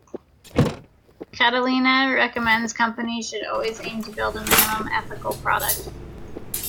Catelina recommends companies should always aim to build a minimum ethical product.